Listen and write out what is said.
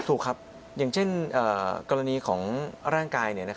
ถูกครับเพราะยังเช่นกรณีร่างกาย